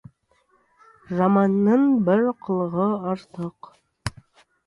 Жаманның бір қылығы артық.